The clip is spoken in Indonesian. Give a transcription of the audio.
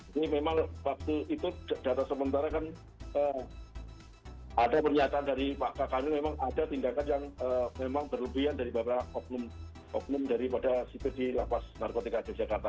ini memang waktu itu data sementara kan ada pernyataan dari pak kakak ini memang ada tindakan yang memang berlebihan dari beberapa oknum daripada sipir di lapas narkotika yogyakarta